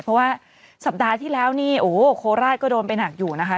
เพราะว่าสัปดาห์ที่แล้วนี่โอ้โหโคราชก็โดนไปหนักอยู่นะคะ